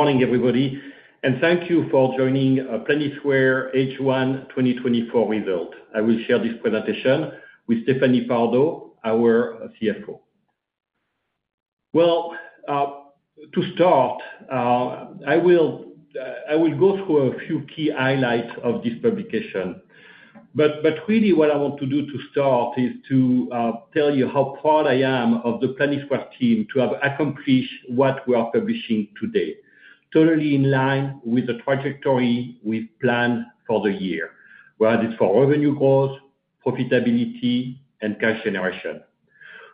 Morning, everybody, and thank you for joining Planisware H1 2024 result. I will share this presentation with Stéphanie Pardo, our CFO. Well, to start, I will go through a few key highlights of this publication. But really, what I want to do to start is to tell you how proud I am of the Planisware team to have accomplished what we are publishing today, totally in line with the trajectory we've planned for the year, whether it's for revenue growth, profitability, and cash generation.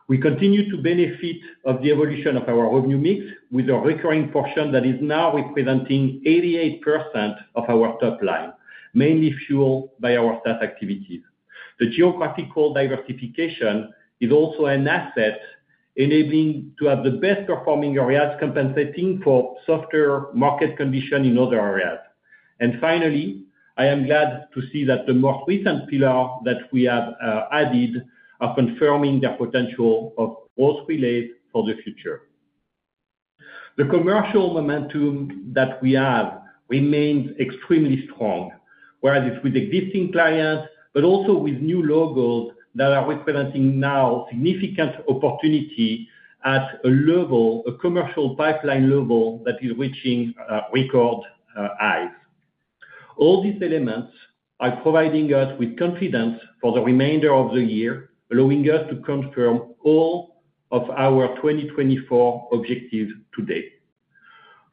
We continue to benefit from the evolution of our revenue mix, with a recurring portion that is now representing 88% of our top line, mainly fueled by our SaaS activities. The geographical diversification is also an asset, enabling us to have the best-performing areas compensating for softer market conditions in other areas. Finally, I am glad to see that the most recent pillars that we have added are confirming their potential of growth relays for the future. The commercial momentum that we have remains extremely strong, whether it's with existing clients but also with new logos that are representing now significant opportunity at a commercial pipeline level that is reaching record highs. All these elements are providing us with confidence for the remainder of the year, allowing us to confirm all of our 2024 objectives today.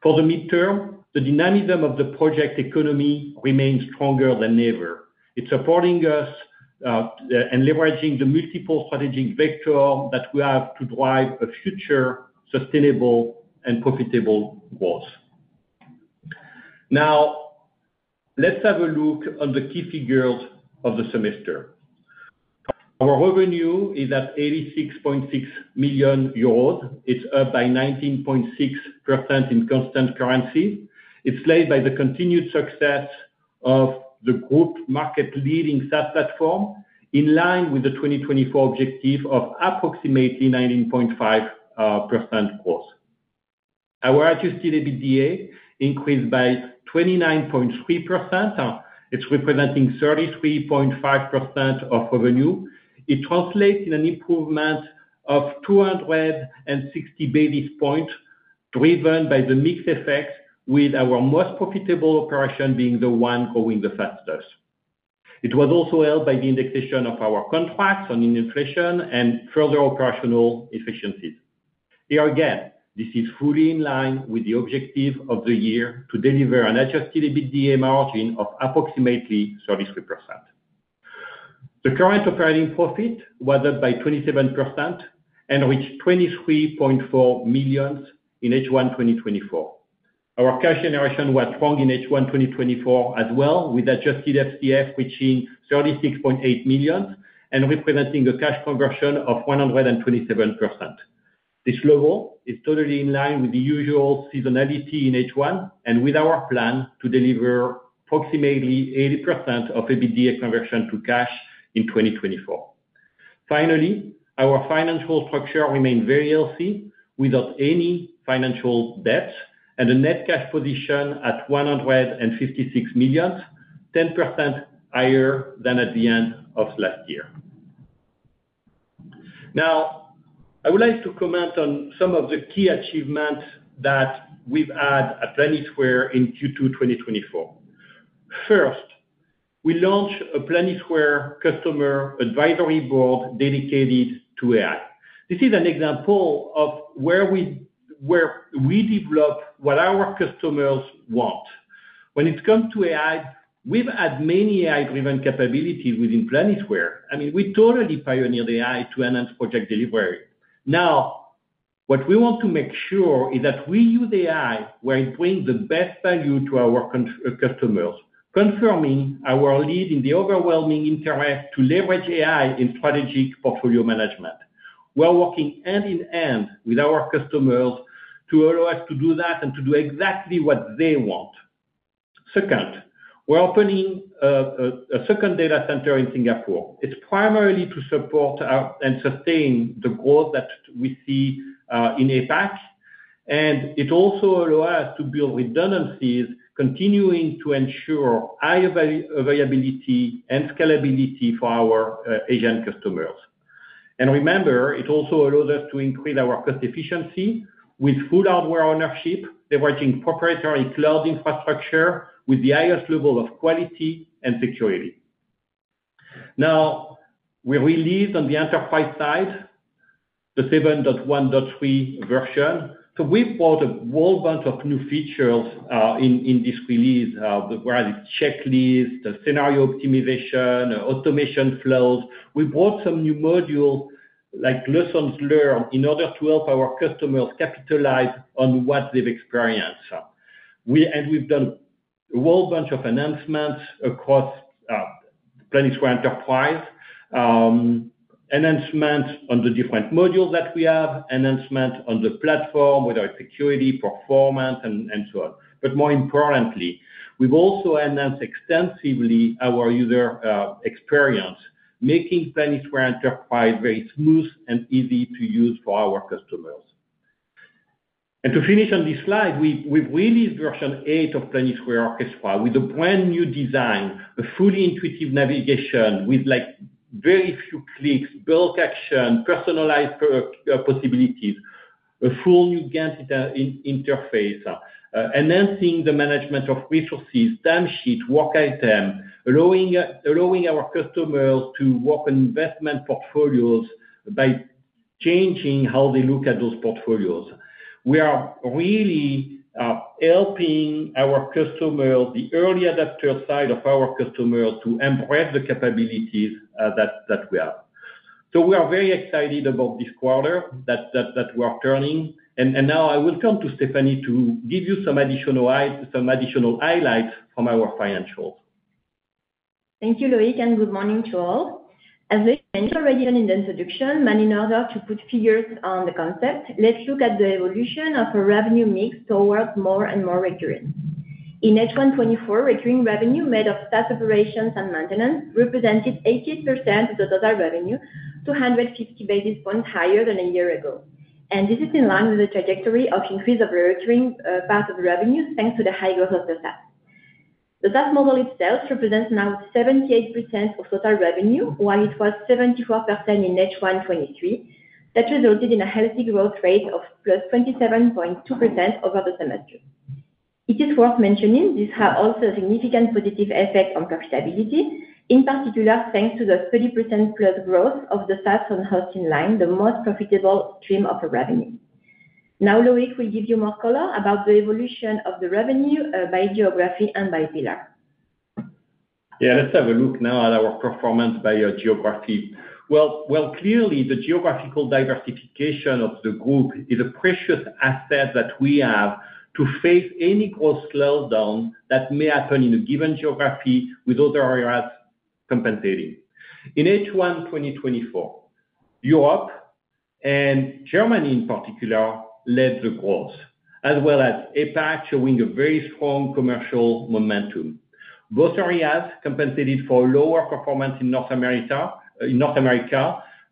For the midterm, the dynamism of the Project Economy remains stronger than ever. It's supporting us and leveraging the multiple strategic vectors that we have to drive a future sustainable and profitable growth. Now, let's have a look at the key figures of the semester. Our revenue is at 86.6 million euros. It's up by 19.6% in constant currency. It's led by the continued success of the group market-leading SaaS platform, in line with the 2024 objective of approximately 19.5% growth. Our Adjusted EBITDA increased by 29.3%. It's representing 33.5% of revenue. It translates in an improvement of 260 basis points, driven by the mix effects, with our most profitable operation being the one growing the fastest. It was also helped by the indexation of our contracts on inflation and further operational efficiencies. Here again, this is fully in line with the objective of the year to deliver an Adjusted EBITDA margin of approximately 33%. The current operating profit was up by 27% and reached 23.4 million in H1 2024. Our cash generation was strong in H1 2024 as well, with Adjusted FCF reaching 36.8 million and representing a cash conversion of 127%. This level is totally in line with the usual seasonality in H1 and with our plan to deliver approximately 80% of EBITDA conversion to cash in 2024. Finally, our financial structure remained very healthy, without any financial debt, and the net cash position at 156 million, 10% higher than at the end of last year. Now, I would like to comment on some of the key achievements that we've had at Planisware in Q2 2024. First, we launched a Planisware Customer Advisory Board dedicated to AI. This is an example of where we develop what our customers want. When it comes to AI, we've had many AI-driven capabilities within Planisware. I mean, we totally pioneered AI to enhance project delivery. Now, what we want to make sure is that we use AI where it brings the best value to our customers, confirming our lead in the overwhelming interest to leverage AI in strategic portfolio management. We're working hand in hand with our customers to allow us to do that and to do exactly what they want. Second, we're opening a second data center in Singapore. It's primarily to support and sustain the growth that we see in APAC, and it also allows us to build redundancies, continuing to ensure high availability and scalability for our Asian customers. And remember, it also allows us to increase our cost efficiency with full hardware ownership, leveraging proprietary cloud infrastructure with the highest level of quality and security. Now, we released on the enterprise side the 7.1.3 version. So we brought a whole bunch of new features in this release, whether it's checklists, scenario optimization, automation flows. We brought some new modules like lessons learned in order to help our customers capitalize on what they've experienced. And we've done a whole bunch of enhancements across Planisware Enterprise, enhancements on the different modules that we have, enhancements on the platform, whether it's security, performance, and so on. But more importantly, we've also enhanced extensively our user experience, making Planisware Enterprise very smooth and easy to use for our customers. And to finish on this slide, we've released version eight of Planisware Orchestra with a brand new design, a fully intuitive navigation with very few clicks, bulk action, personalized possibilities, a full new Gantt interface, enhancing the management of resources, timesheets, work items, allowing our customers to work on investment portfolios by changing how they look at those portfolios. We are really helping our customers, the early adopter side of our customers, to embrace the capabilities that we have. So we are very excited about this quarter that we are turning. And now I will turn to Stéphanie to give you some additional highlights from our financials. Thank you, Loïc, and good morning to all. As we mentioned already in the introduction, but in order to put figures on the concept, let's look at the evolution of our revenue mix towards more and more recurring. In H1 2024, recurring revenue made of SaaS operations and maintenance represented 80% of the total revenue, 250 basis points higher than a year ago. This is in line with the trajectory of increase of the recurring part of the revenue thanks to the high growth of the SaaS. The SaaS model itself represents now 78% of total revenue, while it was 74% in H1 2023. That resulted in a healthy growth rate of +27.2% over the semester. It is worth mentioning this has also a significant positive effect on profitability, in particular thanks to the 30%+ growth of the SaaS & Hosting line, the most profitable stream of revenue. Now, Loïc will give you more color about the evolution of the revenue by geography and by pillar. Yeah, let's have a look now at our performance by our geography. Well, clearly, the geographical diversification of the group is a precious asset that we have to face any growth slowdown that may happen in a given geography with other areas compensating. In H1 2024, Europe and Germany in particular led the growth, as well as APAC showing a very strong commercial momentum. Both areas compensated for lower performance in North America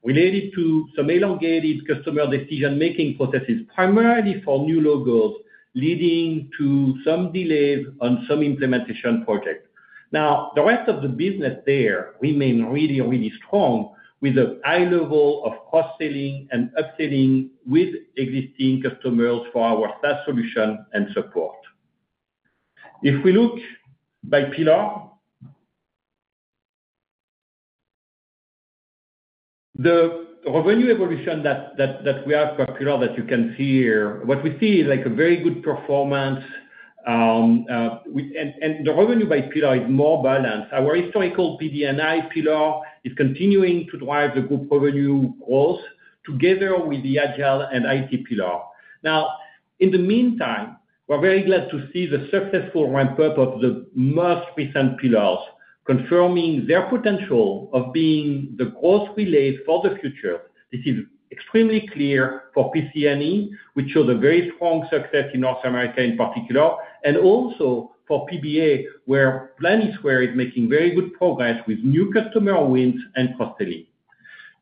related to some elongated customer decision-making processes, primarily for new logos, leading to some delays on some Implementation projects. Now, the rest of the business there remained really, really strong with a high level of cross-selling and upselling with existing customers for our SaaS solution and support. If we look by pillar, the revenue evolution that we have per pillar that you can see here, what we see is a very good performance. The revenue by pillar is more balanced. Our historical PD&I pillar is continuing to drive the group revenue growth together with the Agile and IT pillar. Now, in the meantime, we're very glad to see the successful ramp-up of the most recent pillars, confirming their potential of being the growth relays for the future. This is extremely clear for PC&E, which showed a very strong success in North America in particular, and also for PBA, where Planisware is making very good progress with new customer wins and cross-selling.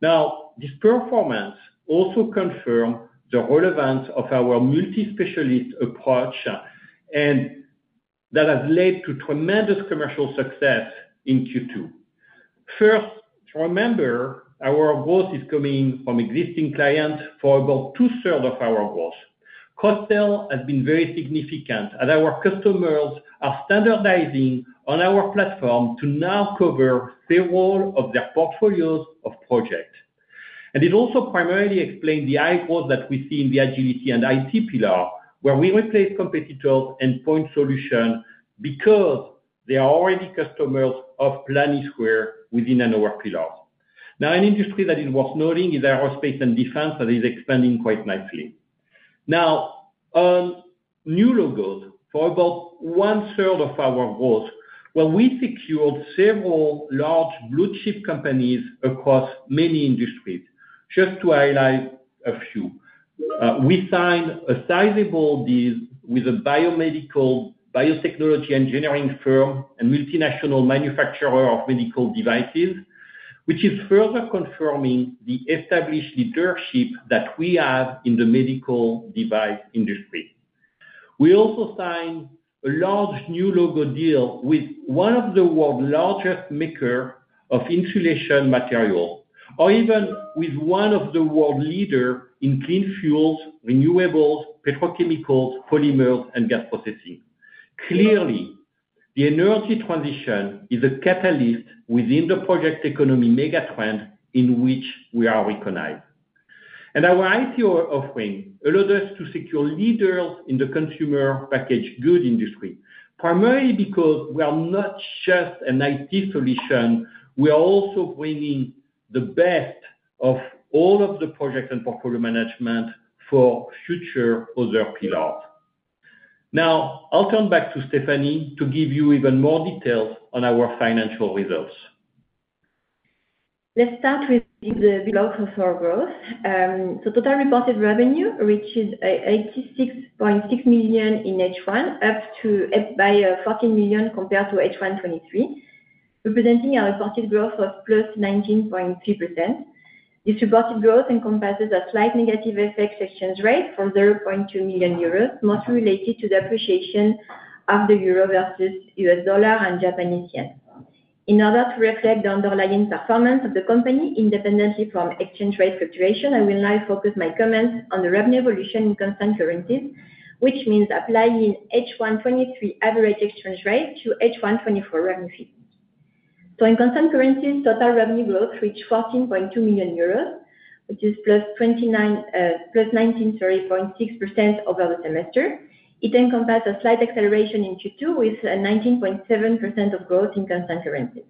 Now, this performance also confirms the relevance of our multi-specialist approach, and that has led to tremendous commercial success in Q2. First, remember, our growth is coming from existing clients for about 2/3 of our growth. Cross-sell has been very significant, as our customers are standardizing on our platform to now cover several of their portfolios of projects. It also primarily explains the high growth that we see in the agility and IT pillar, where we replace competitors and point solutions because they are already customers of Planisware within our pillars. Now, an industry that is worth noting is aerospace and defense, that is expanding quite nicely. Now, on new logos for about one-third of our growth, well, we secured several large blue-chip companies across many industries. Just to highlight a few, we signed a sizable deal with a biomedical biotechnology engineering firm and multinational manufacturer of medical devices, which is further confirming the established leadership that we have in the medical device industry. We also signed a large new logo deal with one of the world's largest makers of insulation materials, or even with one of the world leaders in clean fuels, renewables, petrochemicals, polymers, and gas processing. Clearly, the energy transition is a catalyst within the Project Economy megatrend in which we are recognized. Our IT offering allowed us to secure leaders in the consumer packaged goods industry, primarily because we are not just an IT solution. We are also bringing the best of all of the projects and portfolio management for future other pillars. Now, I'll turn back to Stéphanie to give you even more details on our financial results. Let's start with the growth of our Group. Total reported revenue reached 86.6 million in H1, up by 14 million compared to H1 2023, representing a reported growth of +19.3%. This reported growth encompasses a slight negative effect exchange rate from 0.2 million euros, mostly related to the appreciation of the euro versus U.S. dollar and Japanese yen. In order to reflect the underlying performance of the company independently from exchange rate fluctuation, I will now focus my comments on the revenue evolution in constant currencies, which means applying H1 2023 average exchange rate to H1 2024 revenue figures. In constant currencies, total revenue growth reached 14.2 million euros, which is +19.6% over the semester. It encompassed a slight acceleration in Q2 with 19.7% of growth in constant currencies.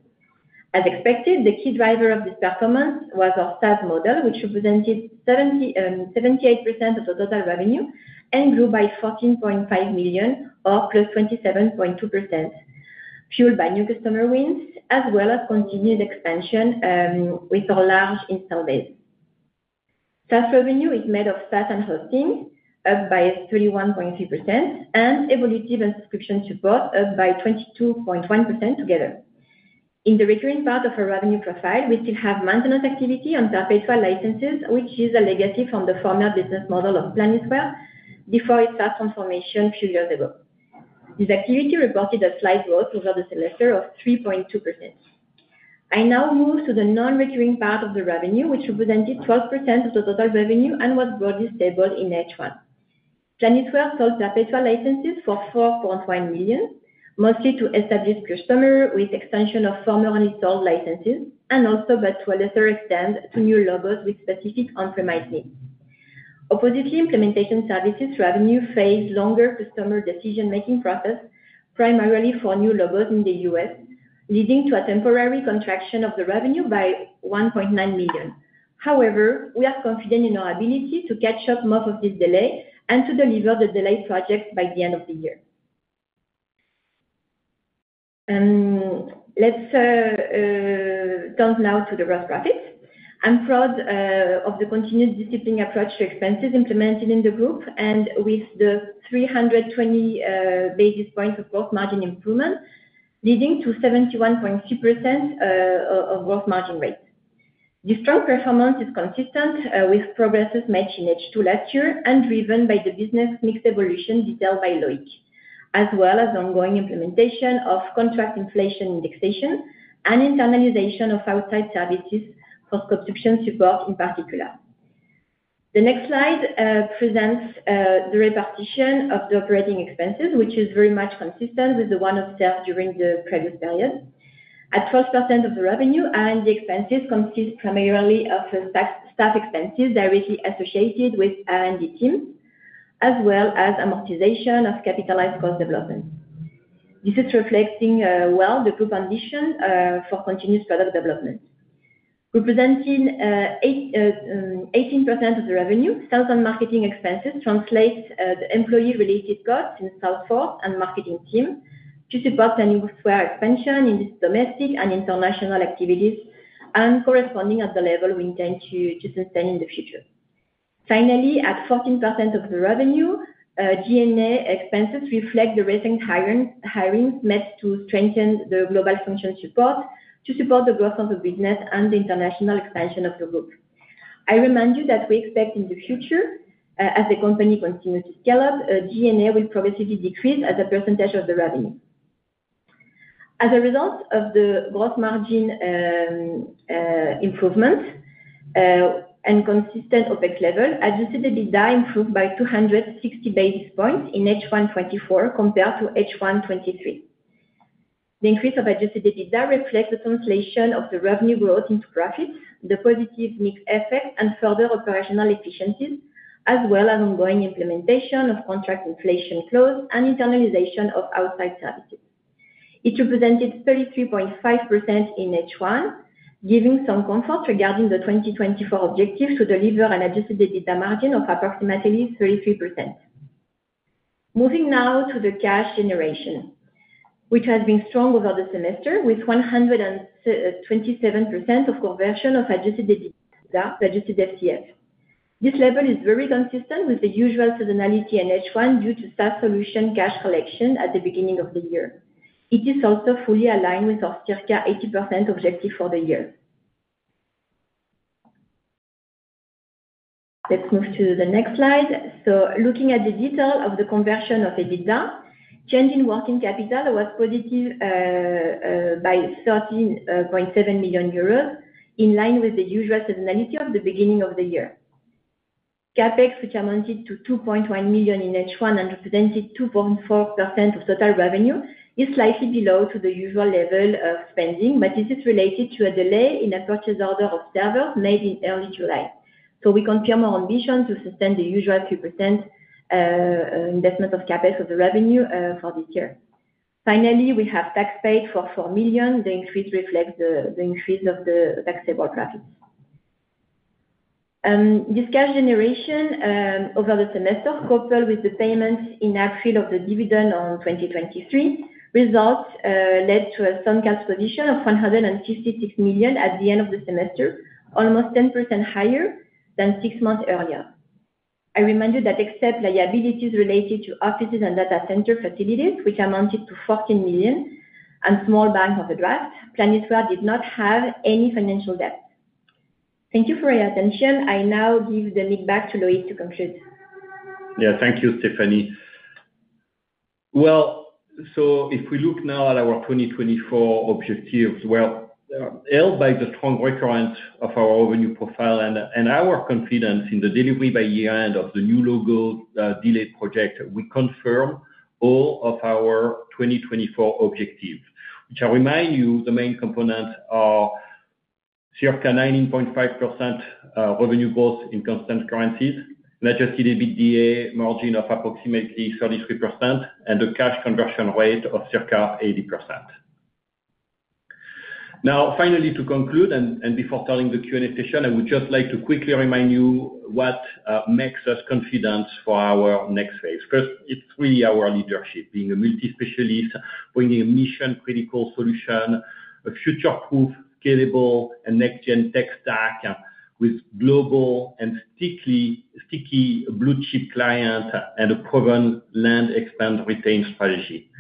As expected, the key driver of this performance was our SaaS model, which represented 78% of the total revenue and grew by 14.5 million or +27.2%, fueled by new customer wins as well as continued expansion with our large install base. SaaS revenue is made of SaaS & Hosting, up by 31.3%, and Evolutive and Subscription support, up by 22.1% together. In the recurring part of our revenue profile, we still have maintenance activity on Perpetual licenses, which is a legacy from the former business model of Planisware before its SaaS transformation a few years ago. This activity reported a slight growth over the semester of 3.2%. I now move to the non-recurring part of the revenue, which represented 12% of the total revenue and was broadly stable in H1. Planisware sold Perpetual licenses for 4.1 million, mostly to established customers with extension of formerly sold licenses and also but to a lesser extent to new logos with specific on-premise needs. Oppositely, Implementation services revenue faced longer customer decision-making process, primarily for new logos in the U.S., leading to a temporary contraction of the revenue by 1.9 million. However, we are confident in our ability to catch up most of this delay and to deliver the delayed projects by the end of the year. Let's turn now to the gross profits. I'm proud of the continued disciplined approach to expenses implemented in the group and with the 320 basis points of gross margin improvement, leading to 71.2% of gross margin rate. This strong performance is consistent with progress met in H2 last year and driven by the business mix evolution detailed by Loïc, as well as ongoing implementation of contract inflation indexation and internalization of outside services for consumption support in particular. The next slide presents the repartition of the operating expenses, which is very much consistent with the one observed during the previous period. At 12% of the revenue, R&D expenses consist primarily of staff expenses directly associated with R&D teams, as well as amortization of capitalized cost development. This is reflecting well the group ambition for continuous product development. Representing 18% of the revenue, sales and marketing expenses translate the employee-related costs in sales force and marketing team to support Planisware expansion in its domestic and international activities and corresponding at the level we intend to sustain in the future. Finally, at 14% of the revenue, G&A expenses reflect the recent hirings made to strengthen the global function support to support the growth of the business and the international expansion of the group. I remind you that we expect in the future, as the company continues to scale up, G&A will progressively decrease as a percentage of the revenue. As a result of the gross margin improvement and consistent OpEx level, adjusted EBITDA improved by 260 basis points in H1 2024 compared to H1 2023. The increase of adjusted EBITDA reflects the translation of the revenue growth into profits, the positive mix effects, and further operational efficiencies, as well as ongoing implementation of contract inflation clause and internalization of outside services. It represented 33.5% in H1, giving some comfort regarding the 2024 objective to deliver an adjusted EBITDA margin of approximately 33%. Moving now to the cash generation, which has been strong over the semester with 127% of conversion of adjusted EBITDA to adjusted FCF. This level is very consistent with the usual seasonality in H1 due to SaaS solution cash collection at the beginning of the year. It is also fully aligned with our circa 80% objective for the year. Let's move to the next slide. So looking at the detail of the conversion of EBITDA, change in working capital was positive by 13.7 million euros in line with the usual seasonality of the beginning of the year. CapEx, which amounted to 2.1 million in H1 and represented 2.4% of total revenue, is slightly below the usual level of spending, but this is related to a delay in a purchase order of servers made in early July. So we confirm our ambition to sustain the usual 3% investment of CapEx of the revenue for this year. Finally, we have tax paid for 4 million. The increase reflects the increase of the taxable profits. This cash generation over the semester, coupled with the payments in April of the dividend on 2023, resulted in a net cash position of 156 million at the end of the semester, almost 10% higher than six months earlier. I remind you that except liabilities related to offices and data center facilities, which amounted to 14 million and small balance on the overdraft, Planisware did not have any financial debt. Thank you for your attention. I now give the mic back to Loïc to conclude. Yeah, thank you, Stéphanie. Well, so if we look now at our 2024 objectives, well, held by the strong recurrence of our revenue profile and our confidence in the delivery by year-end of the new logo delayed project, we confirm all of our 2024 objectives, which I remind you the main components are circa 19.5% revenue growth in constant currencies, an Adjusted EBITDA margin of approximately 33%, and a cash conversion rate of circa 80%. Now, finally, to conclude and before starting the Q&A session, I would just like to quickly remind you what makes us confident for our next phase. First, it's really our leadership being a multi-specialist, bringing a mission-critical solution, a future-proof, scalable, and next-gen tech stack with global and sticky blue-chip clients and a proven land expand retain strategy.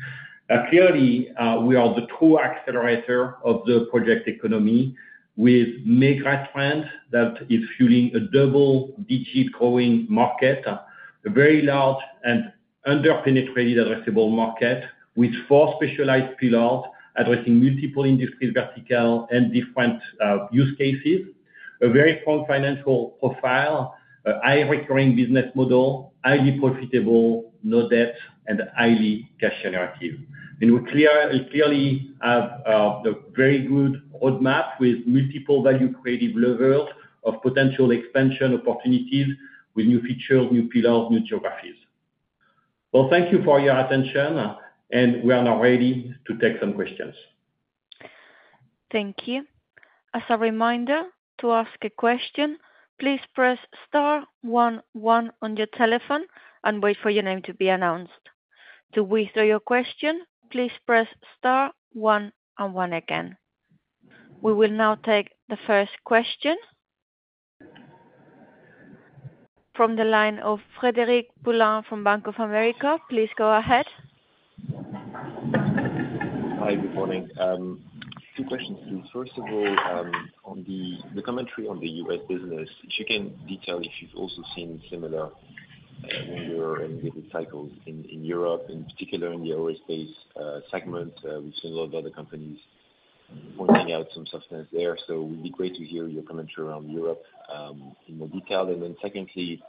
Clearly, we are the true accelerator of the Project Economy with Megatrend that is fueling a double-digit growing market, a very large and under-penetrated addressable market with four specialized pillars addressing multiple industries vertical and different use cases, a very strong financial profile, a high recurring business model, highly profitable, no debt, and highly cash generative. We clearly have a very good roadmap with multiple value-creative levers of potential expansion opportunities with new features, new pillars, new geographies. Well, thank you for your attention, and we are now ready to take some questions. Thank you. As a reminder, to ask a question, please press star one one on your telephone and wait for your name to be announced. To withdraw your question, please press star one one again. We will now take the first question from the line of Frederic Boulan from Bank of America. Please go ahead. Hi, good morning. Two questions, please. First of all, on the commentary on the U.S. business, if you can detail if you've also seen similar when you're in the cycles in Europe, in particular in the aerospace segment. We've seen a lot of other companies pointing out some softness there. So it would be great to hear your commentary around Europe in more detail. Then secondly,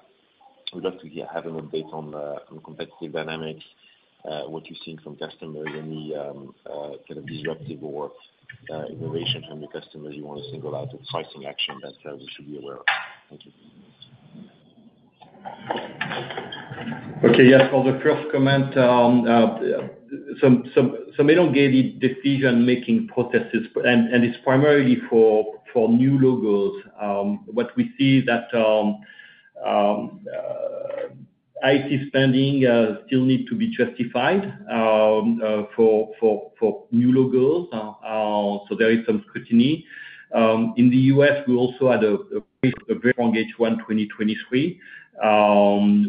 we'd love to have an update on competitive dynamics, what you've seen from customers, any kind of disruptive or innovation from your customers you want to single out, or pricing action that you should be aware of. Thank you. Okay, yes. For the first comment, some elongated decision-making processes, and it's primarily for new logos. What we see is that IT spending still needs to be justified for new logos, so there is some scrutiny. In the U.S., we also had a very strong H1 2023,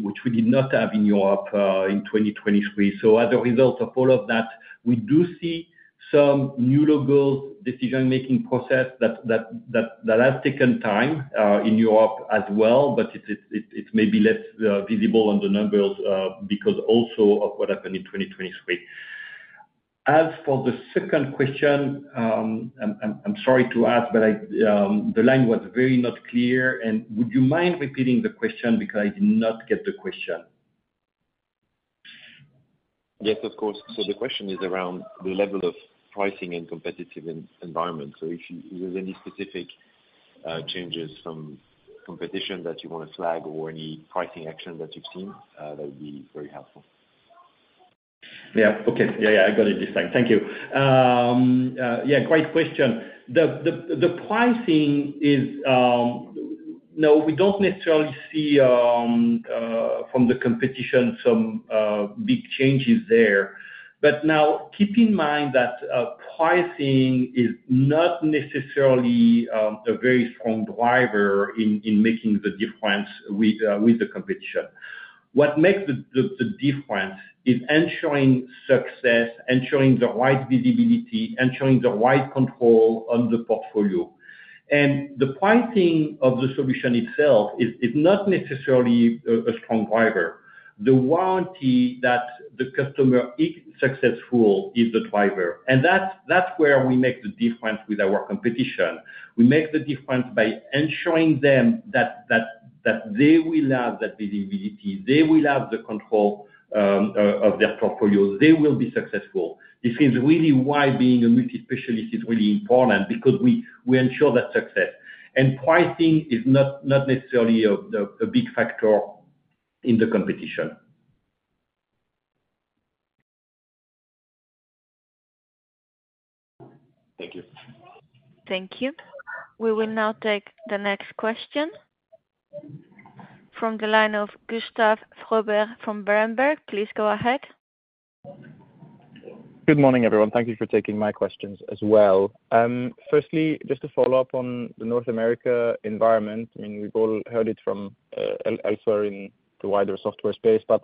which we did not have in Europe in 2023. So as a result of all of that, we do see some new logos decision-making process that has taken time in Europe as well, but it's maybe less visible on the numbers because also of what happened in 2023. As for the second question, I'm sorry to ask, but the line was very not clear, and would you mind repeating the question because I did not get the question? Yes, of course. So the question is around the level of pricing in competitive environments. So if there's any specific changes from competition that you want to flag or any pricing action that you've seen, that would be very helpful. Yeah, okay. Yeah, yeah, I got it this time. Thank you. Yeah, great question. The pricing? No, we don't necessarily see from the competition some big changes there. But now, keep in mind that pricing is not necessarily a very strong driver in making the difference with the competition. What makes the difference is ensuring success, ensuring the right visibility, ensuring the right control on the portfolio. The pricing of the solution itself is not necessarily a strong driver. The warranty that the customer is successful is the driver. That's where we make the difference with our competition. We make the difference by ensuring them that they will have that visibility, they will have the control of their portfolio, they will be successful. This is really why being a multi-specialist is really important because we ensure that success. Pricing is not necessarily a big factor in the competition. Thank you. Thank you. We will now take the next question from the line of Gustav Froberg from Berenberg. Please go ahead. Good morning, everyone. Thank you for taking my questions as well. Firstly, just to follow up on the North America environment, I mean, we've all heard it from elsewhere in the wider software space, but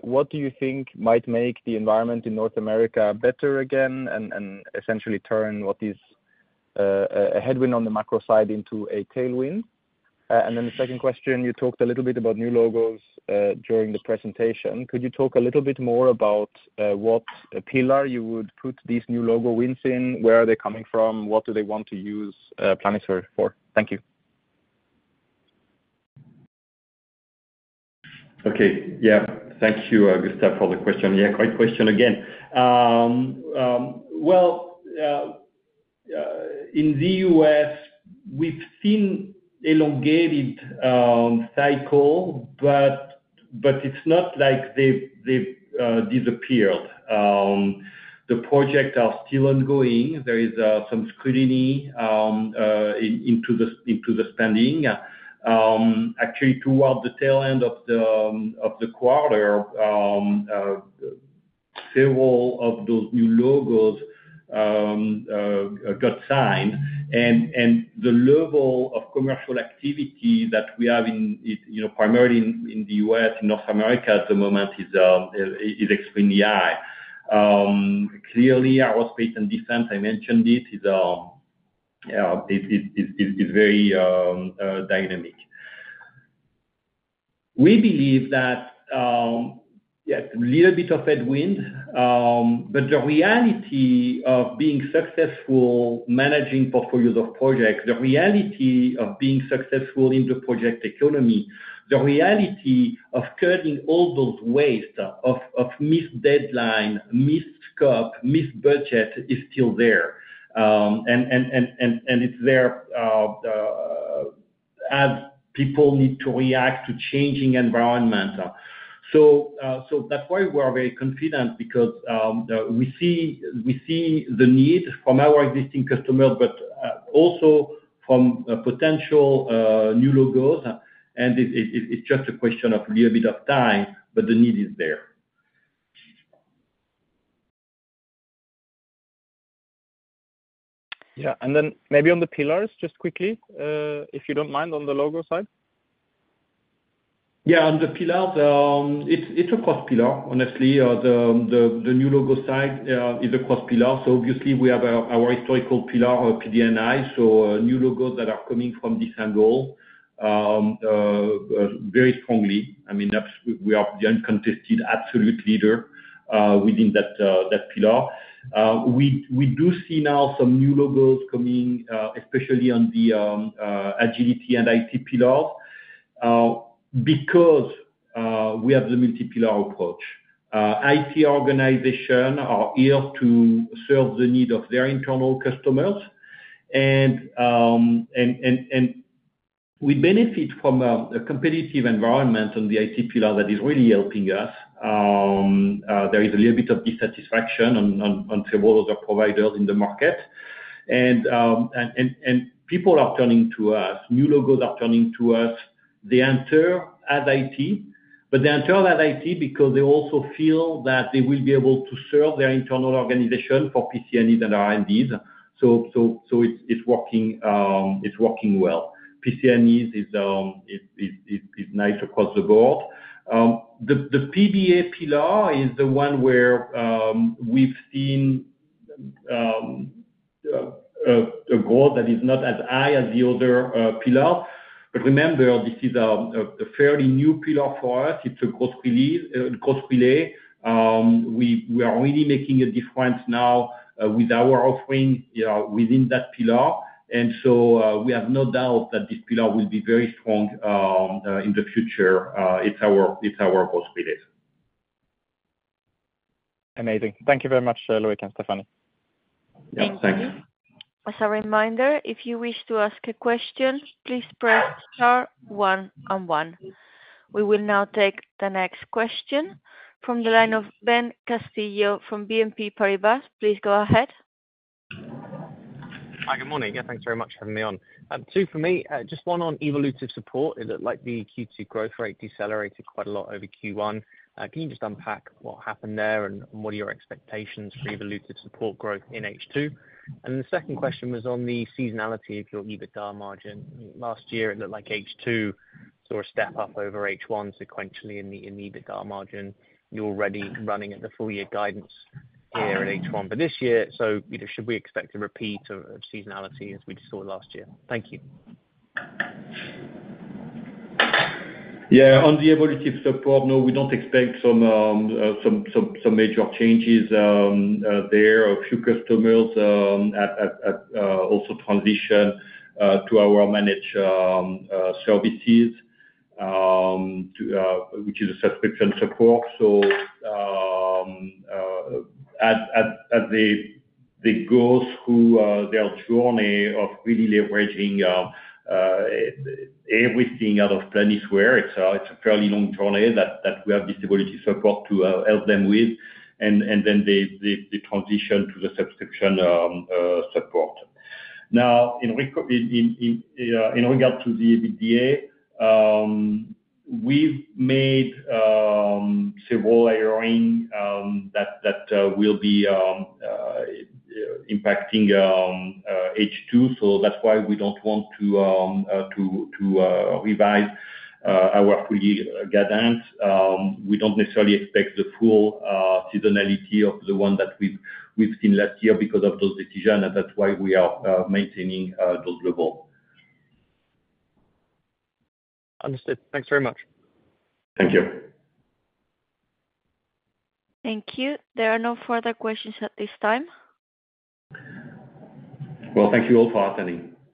what do you think might make the environment in North America better again and essentially turn what is a headwind on the macro side into a tailwind? And then the second question, you talked a little bit about new logos during the presentation. Could you talk a little bit more about what pillar you would put these new logo wins in? Where are they coming from? What do they want to use Planisware for? Thank you. Okay, yeah. Thank you, Gustav, for the question. Yeah, great question again. Well, in the U.S., we've seen elongated cycle, but it's not like they disappeared. The projects are still ongoing. There is some scrutiny into the spending. Actually, toward the tail end of the quarter, several of those new logos got signed. And the level of commercial activity that we have primarily in the U.S., in North America at the moment, is extremely high. Clearly, aerospace and defense, I mentioned it, is very dynamic. We believe that it's a little bit of headwind, but the reality of being successful managing portfolios of projects, the reality of being successful in the Project Economy, the reality of curbing all those waste of missed deadline, missed scope, missed budget is still there. And it's there as people need to react to changing environments. That's why we are very confident because we see the need from our existing customers, but also from potential new logos. It's just a question of a little bit of time, but the need is there. Yeah. And then maybe on the pillars, just quickly, if you don't mind, on the logo side? Yeah, on the pillars, it's a cross pillar, honestly. The new logo side is a cross pillar. So obviously, we have our historical pillar, PDNI, so new logos that are coming from this angle very strongly. I mean, we are the uncontested absolute leader within that pillar. We do see now some new logos coming, especially on the agility and IT pillars because we have the multi-pillar approach. IT organizations are here to serve the need of their internal customers. And we benefit from a competitive environment on the IT pillar that is really helping us. There is a little bit of dissatisfaction on several other providers in the market. And people are turning to us. New logos are turning to us. They enter as IT, but they enter as IT because they also feel that they will be able to serve their internal organization for PC&Es and R&Ds. So it's working well. PC&Es is nice across the board. The PBA pillar is the one where we've seen a growth that is not as high as the other pillars. But remember, this is a fairly new pillar for us. It's a growth relay. We are really making a difference now with our offering within that pillar. And so we have no doubt that this pillar will be very strong in the future. It's our growth relay. Amazing. Thank you very much, Loïc and Stéphanie. Thanks. Thank you. As a reminder, if you wish to ask a question, please press star one-on-one. We will now take the next question from the line of Ben Castillo from BNP Paribas. Please go ahead. Hi, good morning. Yeah, thanks very much for having me on. Two for me. Just one on Evolutive support. It looked like the Q2 growth rate decelerated quite a lot over Q1. Can you just unpack what happened there and what are your expectations for Evolutive support growth in H2? And the second question was on the seasonality of your EBITDA margin. Last year, it looked like H2 saw a step up over H1 sequentially in the EBITDA margin. You're already running at the full-year guidance here at H1 for this year. So should we expect a repeat of seasonality as we saw last year? Thank you. Yeah, on the Evolutive support, no, we don't expect some major changes there. A few customers also transitioned to our managed services, which is a Subscription support. So as they go through their journey of really leveraging everything out of Planisware, it's a fairly long journey that we have this Evolutive support to help them with. And then they transition to the Subscription support. Now, in regard to the EBITDA, we've made several hirings that will be impacting H2. So that's why we don't want to revise our full-year guidance. We don't necessarily expect the full seasonality of the one that we've seen last year because of those decisions. And that's why we are maintaining those levels. Understood. Thanks very much. Thank you. Thank you. There are no further questions at this time. Well, thank you all for attending.